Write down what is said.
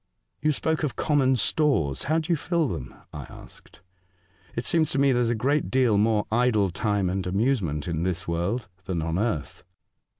'*" You spoke of common stores. How do you fill them?" I asked. "It seems to me there is a great deal more idle time and amuse ment in this world than on earth."